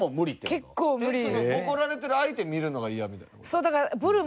ボコられてる相手見るのがイヤみたいな事？